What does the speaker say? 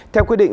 theo quyết định